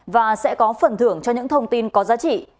và sẽ có phần thưởng cho những thông tin có giá trị